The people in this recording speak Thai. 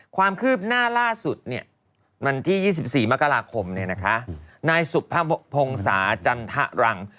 ความคืบหน้าล่าสุดเนี่ยวันที่๒๔โมกราคมเนี่ยนะคะนายสุพพงศาจันทรัง